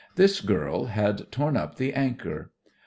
This girl had torn up the anchor.